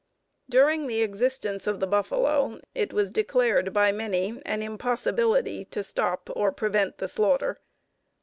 During the existence of the buffalo it was declared by many an impossibility to stop or prevent the slaughter.